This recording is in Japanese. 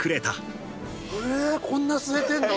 こんな吸えてるの？